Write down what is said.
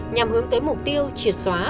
nhằm hướng tới mục tiêu triệt xóa